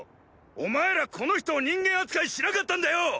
お前らこの人を人間扱いしなかったんだよ！